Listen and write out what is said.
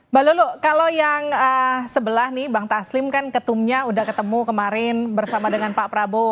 mbak lulu kalau yang sebelah nih bang taslim kan ketumnya udah ketemu kemarin bersama dengan pak prabowo